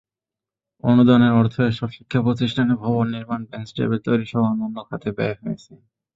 অনুদানের অর্থ এসব শিক্ষাপ্রতিষ্ঠানে ভবন নির্মাণ, বেঞ্চ-টেবিল তৈরিসহ অন্য খাতে ব্যয় হয়েছে।